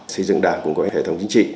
xây dựng đảng cũng có hệ thống chính trị